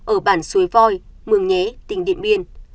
ở bản suối voi mường nhé tỉnh điện biên